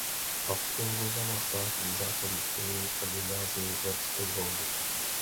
Absolvovala státní základní školu a gymnázium ve Stockholmu.